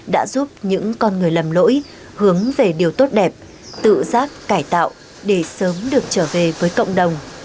đã giúp những con người lầm lỗi hướng về điều tốt đẹp tự giác cải tạo để sớm được trở về với cộng đồng